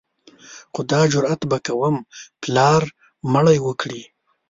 خو دا جرأت به کوم پلار مړی وکړي.